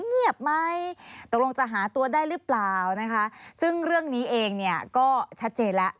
เงียบไหมตกลงจะหาตัวได้หรือเปล่านะคะซึ่งเรื่องนี้เองเนี่ยก็ชัดเจนแล้ว